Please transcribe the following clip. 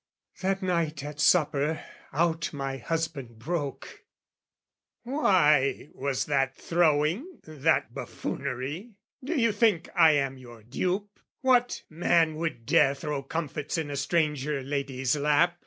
That night at supper, out my husband broke, "Why was that throwing, that buffoonery? "Do you think I am your dupe? What man would dare "Throw comfits in a stranger lady's lap?